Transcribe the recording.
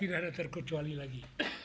tidak ada terkecuali lagi